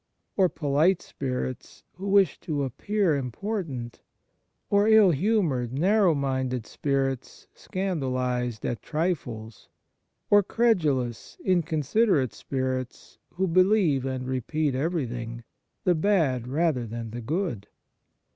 or polite spirits who wish to appear important ? or ill humoured, narrow minded spirits, scandalized at trifles ? or credulous, inconsiderate spirits who believe and repeat everything the bad rather than the good